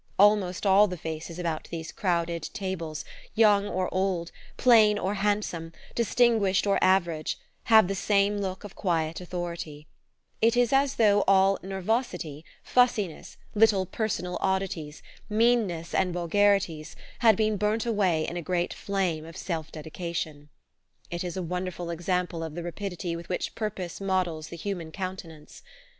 Almost all the faces about these crowded tables young or old, plain or handsome, distinguished or average have the same look of quiet authority: it is as though all "nervosity," fussiness, little personal oddities, meannesses and vulgarities, had been burnt away in a great flame of self dedication. It is a wonderful example of the rapidity with which purpose models the human countenance.